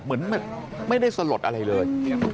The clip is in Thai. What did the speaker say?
เหมือนไม่ได้สลดอะไรเลย